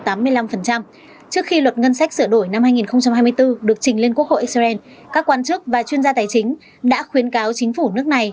trước khi luật ngân sách sửa đổi năm hai nghìn hai mươi bốn được trình lên quốc hội israel các quan chức và chuyên gia tài chính đã khuyến cáo chính phủ nước này